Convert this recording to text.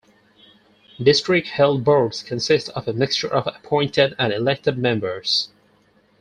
District Health Boards consist of a mixture of appointed and elected members.